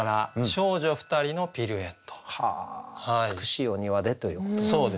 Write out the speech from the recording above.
美しいお庭でということなんですね。